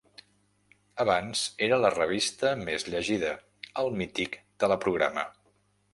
Abans era la revista més llegida, el mític Teleprograma.